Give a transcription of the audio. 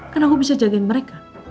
karena aku bisa jagain mereka